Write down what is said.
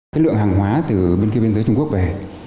cái lượng hàng hóa từ bên kia biên giới trung quốc về